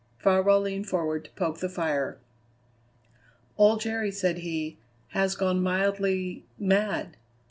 Farwell leaned forward to poke the fire. "Old Jerry," said he, "has gone mildly mad.